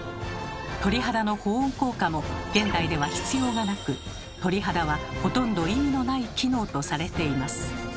鳥肌の保温効果も現代では必要がなく鳥肌はほとんど意味のない機能とされています。